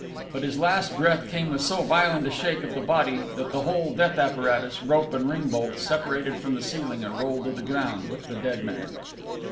But his last breath came with so violent a shake of the body that the whole death apparatus, rope and ring bolt, separated from the ceiling, and rolled to the ground with the dead man.